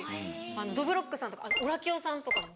どぶろっくさんとかオラキオさんとかも。